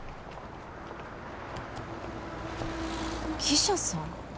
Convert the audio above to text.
記者さん？